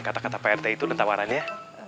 kata kata pak rt itu dan tawarannya